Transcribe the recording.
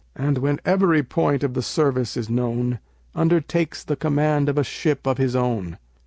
And when every point of the service is known, Undertakes the command of a ship of his own."